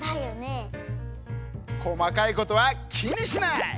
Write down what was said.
こまかいことはきにしない！